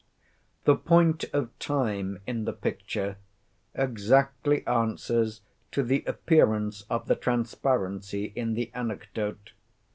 The point of time in the picture exactly answers to the appearance of the transparency in the anecdote.